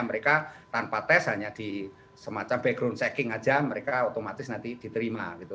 mereka tanpa tes hanya di semacam background checking aja mereka otomatis nanti diterima gitu